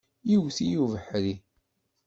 Iwet-iyi ubeḥri.